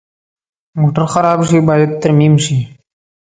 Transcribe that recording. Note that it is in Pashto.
موټر خراب شي، باید ترمیم شي.